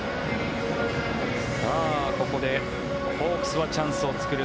ここでホークスはチャンスを作る。